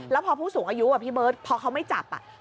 แล้วพอผู้สูงอายุพี่เบิร์ตพอเขาไม่จับ